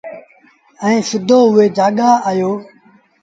ائيٚݩ سڌو اُئي جآڳآ آيو۔